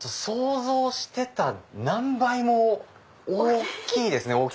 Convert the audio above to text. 想像してた何倍も大きいですね！